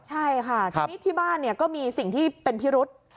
ใช่ค่ะทีนี้ที่บ้านก็มีสิ่งที่เป็นพิรุษ